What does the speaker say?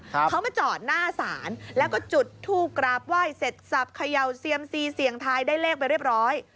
เขามาจอดหน้าศาลแล้วก็จุดทูปกราบไหว้เสร็จสับเขย่าเซียมซีเสี่ยงทายได้เลขไปเรียบร้อย